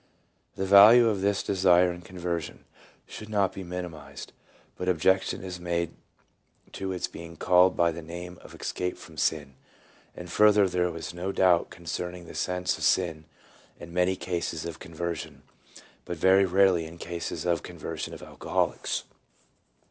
The value of this desire in conversion should not be minimized, but objection is made to its being called by the name of escape from sin; and further, there is no doubt con cerning the sense of sin in many cases of conversion, but very rarely in cases of conversion of alcoholics.